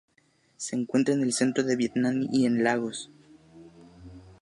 Se encuentra en el centro de Vietnam y en Laos.